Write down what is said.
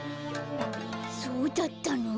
そうだったの？